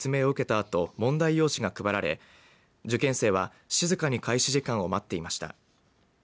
あと問題用紙が配られ受験生は静かに開始時間を待っていました。